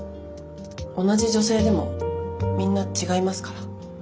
同じ女性でもみんな違いますから。